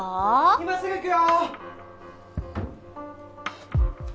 今すぐ行くよ！